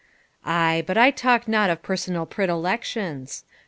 ' Ay, but I talk not of personal predilections.